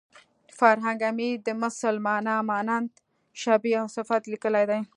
فرهنګ عمید د مثل مانا مانند شبیه او صفت لیکلې ده